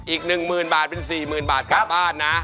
อีก๑หมื่นบาทเป็น๔หมื่นบาทกลับบ้านนะ